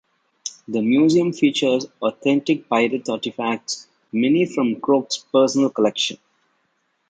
The museum features authentic pirate artifacts, many from Croce's personal collection.